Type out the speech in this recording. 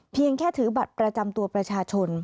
เพียงแค่ถือบัตรประจำตัวประชาชน